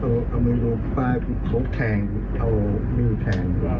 เขาก็เอามือลงไปเขาแทงเอามือแทง